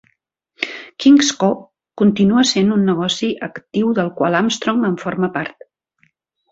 Kingsco continua sent un negoci actiu del qual Armstrong en forma part.